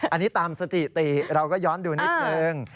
อันนี้ตามสถิติเราก็ย้อนดูนิดนึง